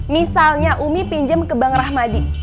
misalnya umi pinjam ke bank rahmadi